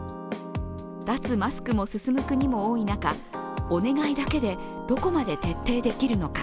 脱マスクも進む国も多い中お願いだけで、どこまで徹底できるのか。